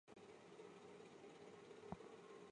霍尔茨高是奥地利蒂罗尔州罗伊特县的一个市镇。